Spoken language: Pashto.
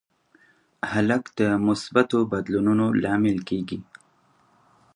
هلک د مثبتو بدلونونو لامل کېږي.